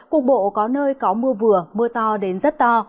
cục bộ có nơi có mưa vừa mưa to đến rất to